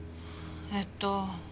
えっと